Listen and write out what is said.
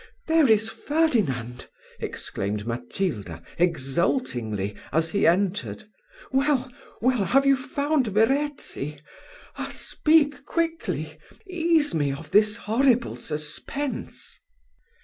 "There is Ferdinand!" exclaimed Matilda, exultingly, as he entered "Well, well! have you found Verezzi? Ah! speak quickly! ease me of this horrible suspense."